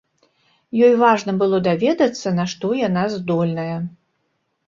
Ёй важна было даведацца, на што яна здольная.